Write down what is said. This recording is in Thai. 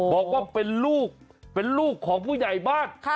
บอกว่าเป็นลูกเป็นลูกของผู้ใหญ่บ้าน